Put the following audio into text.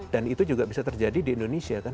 dan itu juga bisa terjadi di indonesia kan